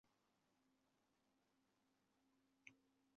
该系统的白矮星是第一颗被发现的白矮星脉冲星。